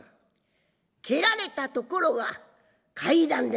蹴られたところが階段でございます。